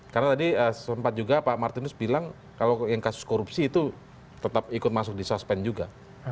karena tadi sempat juga pak martinus bilang kalau yang kasus korupsi itu tetap ikut masuk di suspensi juga